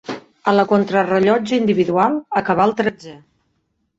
En la contrarellotge individual acabà el tretzè.